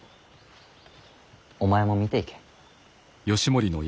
お前も見ていけ。